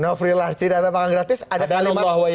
no freelance tidak ada makan gratis